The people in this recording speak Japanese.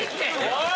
おい！